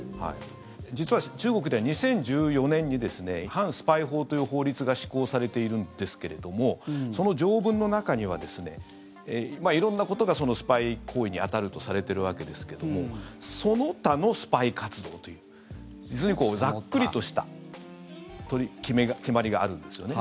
実は中国で２０１４年に反スパイ法という法律が施行されているんですけれどもその条文の中にはですね色んなことがスパイ行為に当たるとされてるわけですけどもその他のスパイ活動というざっくりとした決まりがあるんですよね。